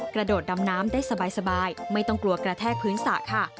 กระโดดดำน้ำได้สบายไม่ต้องกลัวกระแทกพื้นสระค่ะ